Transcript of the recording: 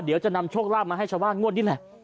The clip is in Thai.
เดี๋ยวจะนำโชคลาภมาให้ชาวบ้านงวดนี่แหละ